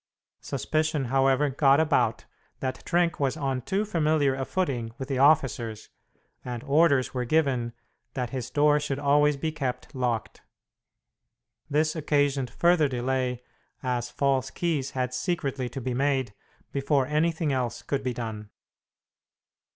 Suspicion, however, got about that Trenck was on too familiar a footing with the officers, and orders were given that his door should always be kept locked. This occasioned further delay, as false keys had secretly to be made before anything else could be done.